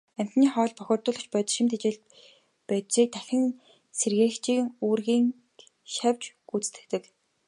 Амьтдын хоол, бохирдуулагч бодис, шим тэжээлт бодисыг дахин сэргээгчийн үүргийг шавж гүйцэтгэдэг.